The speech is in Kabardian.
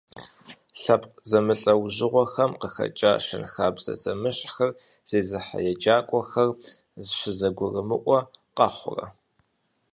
Лъэпкъ зэмылӏэужьыгъуэхэм къыхэкӏа, щэнхабзэ зэмыщхьхэр зезыхьэ еджакӀуэхэр щызэгурымыӀуэ къэхъурэ?